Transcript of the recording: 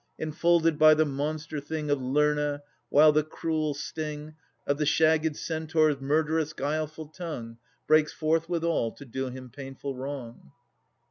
Enfolded by the Monster Thing Of Lerna, while the cruel sting Of the shagg'd Centaur's murderous guileful tongue Breaks forth withal to do him painful wrong.